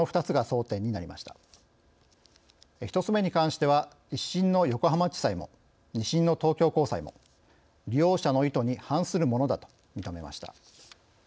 １つ目に関しては１審の横浜地裁も２審の東京高裁も利用者の意図に反するものだと認めました。